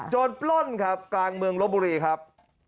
ปล้นครับกลางเมืองลบบุรีครับ